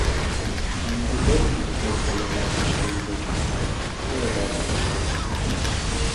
Այնուհետև, վերցնելով նաև քրդերի ոչխարները, վերադառնում է գյուղ։